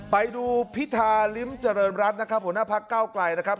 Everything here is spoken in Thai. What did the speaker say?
พิธาลิ้มเจริญรัฐนะครับหัวหน้าพักเก้าไกลนะครับ